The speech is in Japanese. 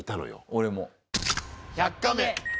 俺も。